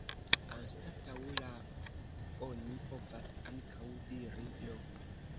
Anstataŭ « la » oni povas ankaŭ diri « l' ».